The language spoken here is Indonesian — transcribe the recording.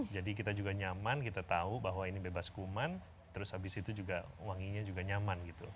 jadi kita juga nyaman kita tahu bahwa ini bebas kuman terus habis itu juga wanginya juga nyaman gitu